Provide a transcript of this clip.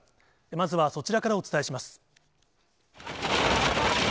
まずはそちらからお伝えします。